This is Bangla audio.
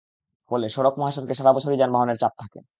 ফলে সড়ক মহাসড়কে সারা বছরই যানবাহনের চাপ থাকে।